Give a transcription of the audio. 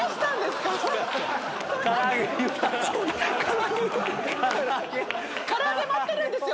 から揚げ待ってるんですよ